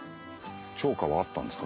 釣果はあったんですか？